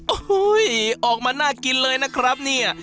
โอ้โหออกมาน่ากินเลยนะครับเนี่ย